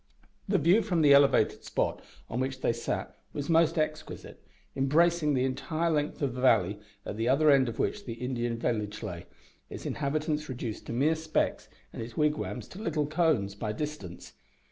The view from the elevated spot on which they sat was most exquisite, embracing the entire length of the valley at the other end of which the Indian village lay, its inhabitants reduced to mere specks and its wigwams to little cones, by distance.